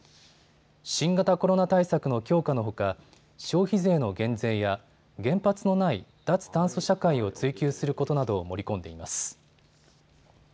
新型コロナ対策の強化のほか消費税の減税や原発のない脱炭素社会を追求することなどを盛り込んでいます。